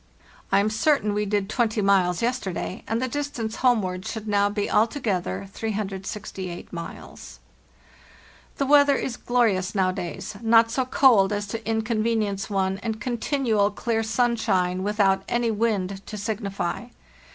I am certain we did 20 miles yesterday, and the distance homeward should now be altogether 368 miles. "The weather is glorious nowadays, not so cold as to inconvenience one, and continual clear sunshine, without any wind to signify.